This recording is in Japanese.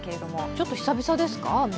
ちょっと久々ですか、雨？